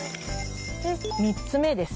３つ目です。